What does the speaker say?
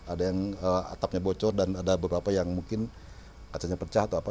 ada yang atapnya bocor dan ada beberapa yang mungkin kacanya pecah atau apa